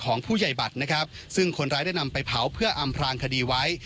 ของผู้ใหญ่บัตรนะครับซึ่งคนร้ายได้นำไปเผาเพื่ออำพลางคดีไว้